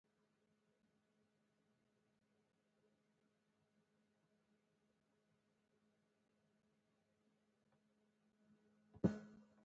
خولۍ د روغتیايي کارکوونکو نښه ده.